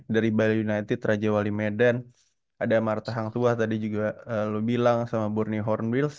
dari bali united raja wali medan ada martha hangsuah tadi juga lo bilang sama borny hornwills